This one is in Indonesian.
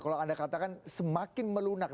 kalau anda katakan semakin melunak